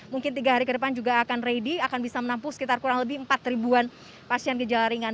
mungkin tiga hari ke depan juga akan ready akan bisa menampung sekitar kurang lebih empat ribuan pasien gejala ringan